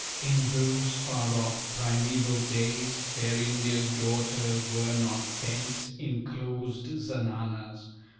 In those far off primeval days Fair India's daughters were not pent In closed zenanas.